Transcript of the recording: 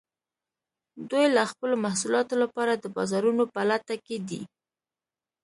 دوی د خپلو محصولاتو لپاره د بازارونو په لټه کې دي